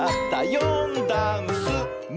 「よんだんす」「め」！